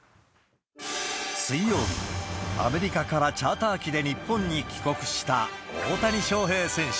水曜日、アメリカからチャーター機で日本に帰国した大谷翔平選手。